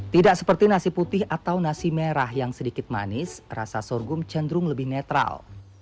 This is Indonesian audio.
tidak seperti nasi putih atau nasi merah yang sedikit manis rasa sorghum cenderung lebih netral